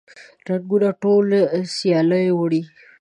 رنګونه ټوله سیلیو وړي